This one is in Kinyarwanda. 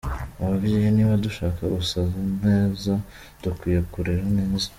Ababyeyi niba dushaka gusaza neza dukwiye kurera neza.